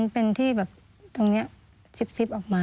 เป็นที่แบบตรงนี้ซิบออกมา